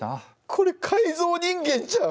これ改造人間じゃん！